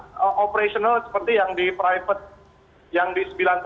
jadi beda dengan operasional seperti yang di private yang di sembilan puluh satu